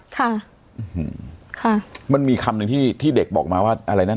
ค่ะค่ะมันมีคำหนึ่งที่ที่เด็กบอกมาว่าอะไรนะ